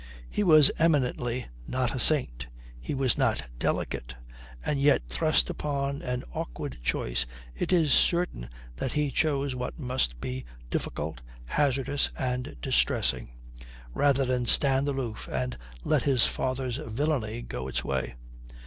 He was eminently not a saint. He was not delicate. And yet, thrust upon an awkward choice, it is certain that he chose what must be difficult, hazardous, and distressing, rather than stand aloof and let his father's villainy go its way.